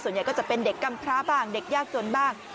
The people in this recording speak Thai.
ส่วนใหญ่ก็จะเป็นเด็กกำพร้าบ้างเด็กยากจนบ้าง